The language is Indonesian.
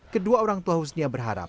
kedua orang tua husnia berharap